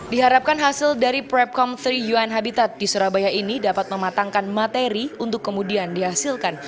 diharapkan hasil dari prepcomp tiga un habitat di surabaya ini dapat mematangkan materi untuk kemudian dihasilkan